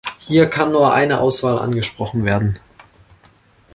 Hier kann nur eine Auswahl angesprochen werden.